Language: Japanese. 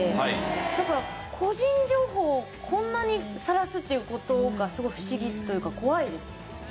だから個人情報をこんなにさらすっていう事がすごい不思議というか怖いですね。